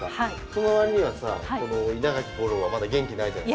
そのわりにはさこの稲垣吾郎はまだ元気ないじゃないですか。